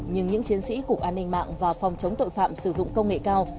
nhưng những chiến sĩ cục an ninh mạng và phòng chống tội phạm sử dụng công nghệ cao